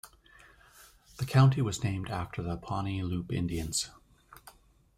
The county was named after the Pawnee Loup Indians.